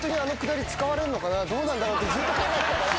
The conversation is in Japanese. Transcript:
どうなんだろうってずっと考えてたから。